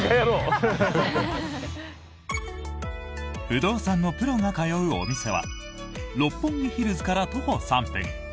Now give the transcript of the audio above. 不動産のプロが通うお店は六本木ヒルズから徒歩３分。